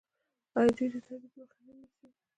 آیا دوی د تبعیض مخه نه نیسي؟